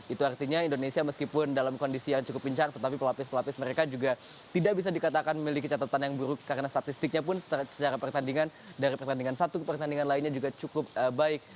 itu artinya indonesia meskipun dalam kondisi yang cukup pincang tetapi pelapis pelapis mereka juga tidak bisa dikatakan memiliki catatan yang buruk karena statistiknya pun secara pertandingan dari pertandingan satu ke pertandingan lainnya juga cukup baik